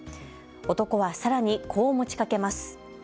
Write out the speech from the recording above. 男はさらに、こう持ちかけます。